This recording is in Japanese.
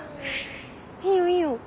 いいよいいよ。